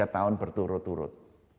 tiga tahun berturut turut